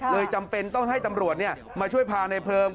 จำเป็นต้องให้ตำรวจมาช่วยพาในเพลิง